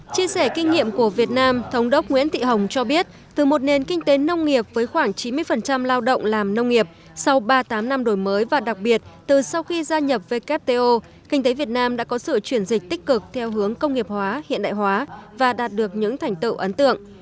chia sẻ kinh nghiệm của việt nam thống đốc nguyễn thị hồng cho biết từ một nền kinh tế nông nghiệp với khoảng chín mươi lao động làm nông nghiệp sau ba mươi tám năm đổi mới và đặc biệt từ sau khi gia nhập wto kinh tế việt nam đã có sự chuyển dịch tích cực theo hướng công nghiệp hóa hiện đại hóa và đạt được những thành tựu ấn tượng